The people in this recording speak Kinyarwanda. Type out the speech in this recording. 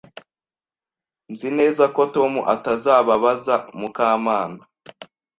Nzi neza ko Tom atazababaza Mukamana.